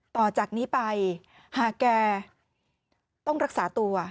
ต่อจากนี้ไปหาแกต้องรักษาตัว